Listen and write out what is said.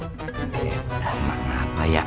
toh engga kan mak apa ya